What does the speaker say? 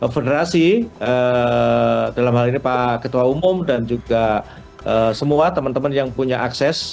federasi dalam hal ini pak ketua umum dan juga semua teman teman yang punya akses